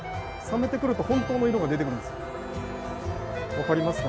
分かりますか？